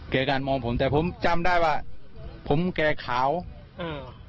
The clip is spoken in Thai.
การมองผมแต่ผมจำได้ว่าผมแก่ขาวเออ